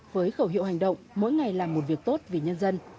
với khẩu hiệu hành động mỗi ngày làm một việc tốt vì nhân dân